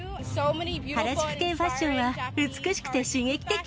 原宿系ファッションは美しくて、刺激的。